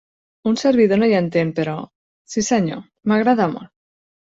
Un servidor no hi entén, però... si senyor. M'agrada molt.